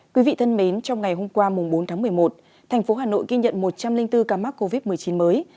quý vị thân mến trong ngày hôm qua bốn tháng một mươi một thành phố hà nội ghi nhận một trăm linh bốn ca mắc covid một mươi chín mới